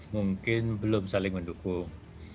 mungkin belum saling mendukung